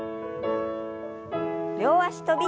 両脚跳び。